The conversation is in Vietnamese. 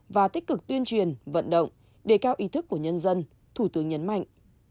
và tích cực tuyên truyền vận động đề cao ý thức của nhân dân thủ tướng nhấn mạnh